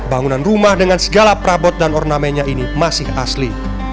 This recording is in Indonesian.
bangunan rumah dengan segala perabot dan ornamennya ini masih asli